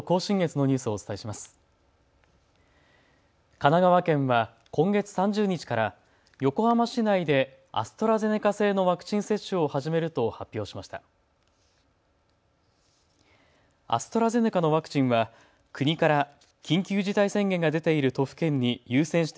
神奈川県は今月３０日から横浜市内でアストラゼネカ製のワクチン接種を始めると発表しました。